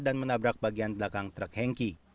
dan menabrak bagian belakang truk hengki